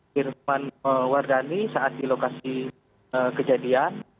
firman wardani saat di lokasi kejadian